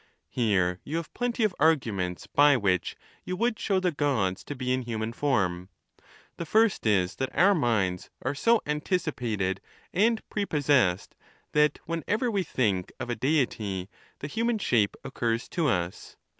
Here you have plenty of ai giiments by which you would show the Gods to be in human form. The fivst is, that oui minds are so an ticipated and prepossessed, that whenever we think of a Deity the human shape occurs to us.